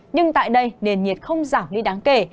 nhưng tại đây nền nhiệt không giảm đi đáng kể